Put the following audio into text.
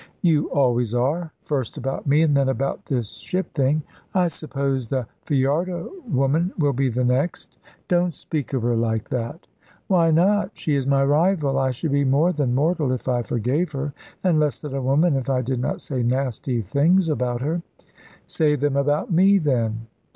"You always are first about me, and then about this ship thing. I suppose the Fajardo woman will be the next." "Don't speak of her like that." "Why not? She is my rival. I should be more than mortal if I forgave her, and less than a woman if I did not say nasty things about her." "Say them about me, then."